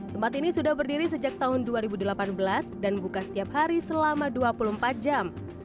tempat ini sudah berdiri sejak tahun dua ribu delapan belas dan buka setiap hari selama dua puluh empat jam